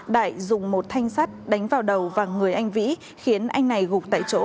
đại dùng một thanh sắt đánh vào đầu và người anh vĩ khiến anh này gục tại chỗ